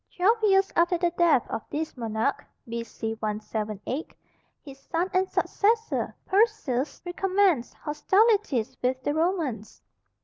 Twelve years after the death of this monarch (B.C. 178), his son and successor, Perseus, recommenced hostilities with the Romans.